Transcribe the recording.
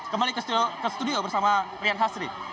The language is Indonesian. kembali ke studio bersama rian hasri